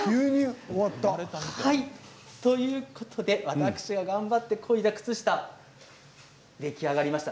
私が頑張ってこいだ靴下出来上がりました。